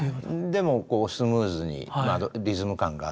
でもスムーズにリズム感があって。